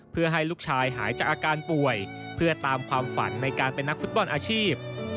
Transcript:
เพื่อให้ลูกชายหายจากอาการป่วยเพื่อตามความฝันในการเป็นนักฟุตบอลอาชีพ